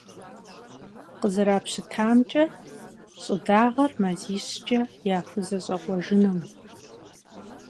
КъызэрапщытамкӀэ, щӀы дагъэр мазищкӀэ яхузэщӀэкъуэжынум.